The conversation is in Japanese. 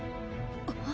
あっ。